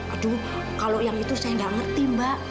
aduh kalau yang itu saya nggak ngerti mbak